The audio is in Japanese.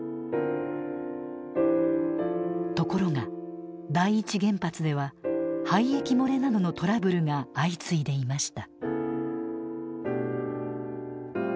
ところが第一原発では廃液漏れなどのトラブルが相次いでいました。